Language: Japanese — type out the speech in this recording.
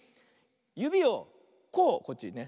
ゆびをこうこっちにね。